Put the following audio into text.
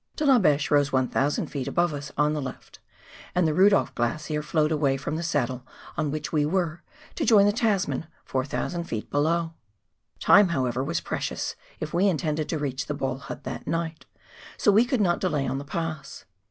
De la Beche rose 1,000 ft. above us on the left, and the Budolph Glacier flowed away from the saddle on which we were, to join the Tasman four thousand feet below. Time, however, was precious if we intended to reach the Ball hut that night, so we could not delay on the pass.